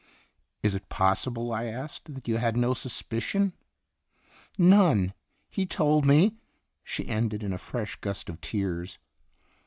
"Is it possible," I asked, "that you had no suspicion ?" "None. He told me" She ended in a fresh gust of tears.